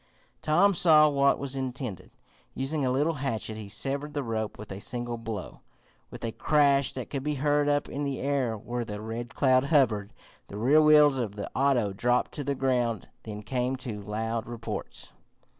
Tom saw what was intended. Using a little hatchet, he severed the rope with a single blow. With a crash that could be heard up in the air where the Red Cloud hovered, the rear wheels of the auto dropped to the ground. Then came two loud reports.